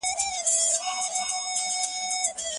د تېرو لسیزو د تاریخ مطالعه خورا زیاته مهمه ده.